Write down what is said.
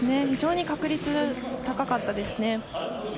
非常に確率が高かったですね。